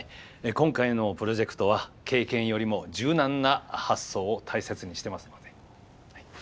今回のプロジェクトは経験よりも柔軟な発想を大切にしてますので。